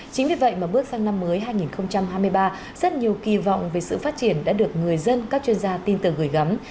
chính vì vậy mà bước sang năm mới hai nghìn hai mươi ba rất nhiều kỳ vọng về sự phát triển đã được người dân các chuyên gia tin tưởng gửi gắm